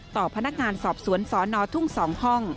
ต่อพนักงานสอบสวนสนทุ่ง๒ห้อง